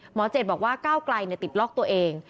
เจดบอกว่าก้าวไกลติดล็อกตัวเอง